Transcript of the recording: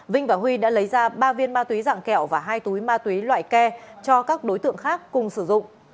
vinh và huy đã lấy ra ba viên ma túy dạng kẹo và hai túi ma túy loại ke cho các đối tượng khác cùng sử dụng